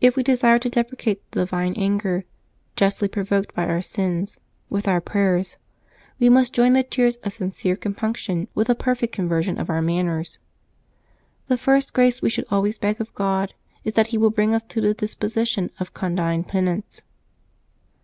If we desire to deprecate the divine anger, justly provoked by our sins, with our prayers, we must join the tears of sincere com Septembee 9] LIVES OF THE SAINTS 309 punction with a perfect conversion of our manners. The first grace we should always beg of God is that He will bring us to the disposition of condign penance.